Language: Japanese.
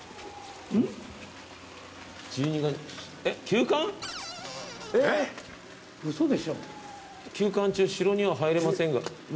「休館中、城には入れませんが」